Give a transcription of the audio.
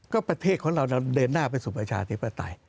ก็ประเทศของเราเราเดินหน้าไปสู่ประชาธิปไตย